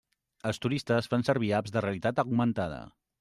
Els turistes fan servir apps de realitat augmentada.